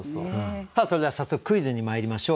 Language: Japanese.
それでは早速クイズにまいりましょう。